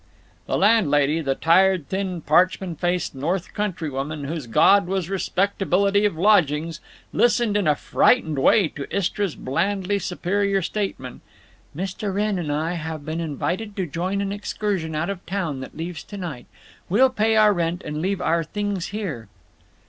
The landlady, the tired thin parchment faced North Countrywoman, whose god was Respectability of Lodgings, listened in a frightened way to Istra's blandly superior statement: "Mr. Wrenn and I have been invited to join an excursion out of town that leaves to night. We'll pay our rent and leave our things here."